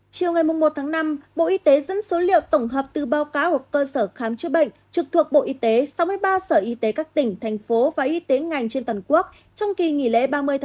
chiều ngày một năm bộ y tế dẫn số liệu tổng hợp từ báo cáo của cơ sở khám chữa bệnh trực thuộc bộ y tế sáu mươi ba sở y tế các tỉnh thành phố và y tế ngành trên toàn quốc